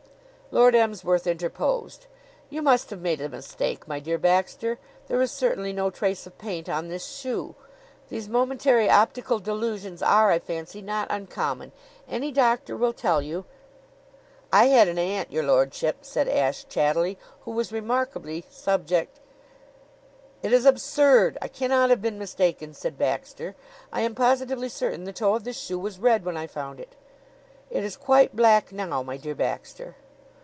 Lord Emsworth interposed. "You must have made a mistake, my dear Baxter. There is certainly no trace of paint on this shoe. These momentary optical delusions are, I fancy, not uncommon. Any doctor will tell you " "I had an aunt, your lordship," said Ashe chattily, "who was remarkably subject " "It is absurd! I cannot have been mistaken," said Baxter. "I am positively certain the toe of this shoe was red when I found it." "It is quite black now, my dear Baxter."